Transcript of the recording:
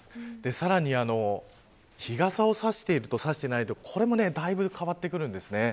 さらに、日傘を差しているのと差していないのとではこれもだいぶ変わってきます。